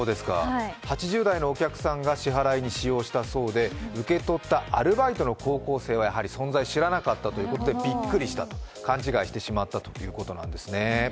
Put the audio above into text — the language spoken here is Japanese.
８０代のお客さんが支払いに使用したそうで、受け取ったアルバイトの高校生は存在を知らなかったということでびっくりしたと、勘違いしてしまったということなんですね。